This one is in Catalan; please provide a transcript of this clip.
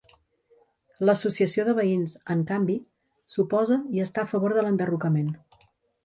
L'associació de veïns, en canvi, s'oposa i està a favor de l'enderrocament.